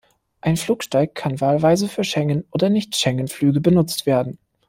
Ein Flugsteig kann wahlweise für Schengen- oder Nicht-Schengen-Flüge benutzt werden.